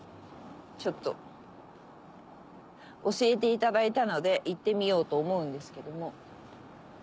ちょっと教えていただいたので行ってみようと思うんですけども。